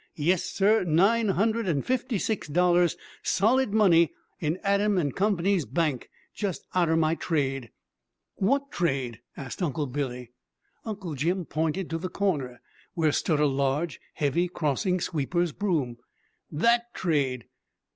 Yes, sir, nine hundred and fifty six dollars! solid money, in Adams and Co.'s Bank, just out er my trade." "Wot trade?" asked Uncle Billy. Uncle Jim pointed to the corner, where stood a large, heavy crossing sweeper's broom. "That trade."